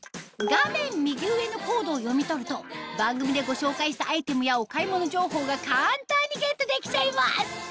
画面右上のコードを読み取ると番組でご紹介したアイテムやお買い物情報が簡単にゲットできちゃいます